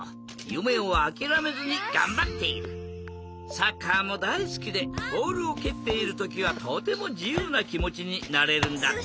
サッカーもだいすきでボールをけっているときはとてもじゆうなきもちになれるんだって。